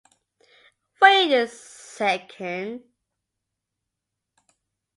Wait a second.